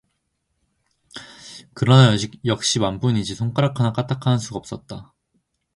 그러나 역시 맘뿐이지 손가락 하나 까딱 하는 수가 없었다.